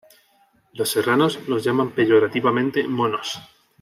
Los serranos los llaman peyorativamente "monos".